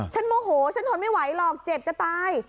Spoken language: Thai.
โมโหฉันทนไม่ไหวหรอกเจ็บจะตาย